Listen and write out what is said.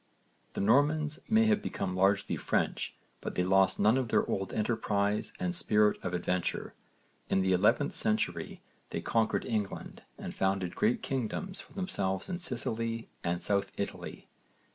The Normans may have become largely French but they lost none of their old enterprise and spirit of adventure. In the 11th century they conquered England and founded great kingdoms for themselves in Sicily and South Italy.